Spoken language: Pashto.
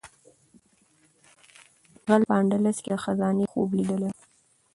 غل په اندلس کې د خزانې خوب لیدلی و.